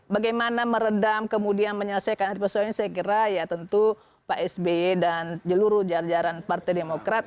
bagaimana meredam kemudian menyelesaikan persoalan ini saya kira ya tentu pak sby dan seluruh jajar jajaran partai demokrat